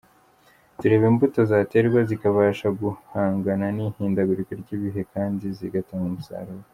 Tureba imbuto zaterwa zikabasha guhangana n’ihindagurika ry’ ibihe kandi zigatanga umusaruro.